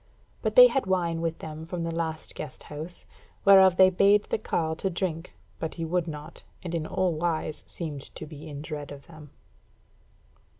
But they had wine with them from the last guest house, whereof they bade the carle to drink; but he would not, and in all wise seemed to be in dread of them.